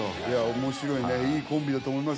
面白いねいいコンビだと思います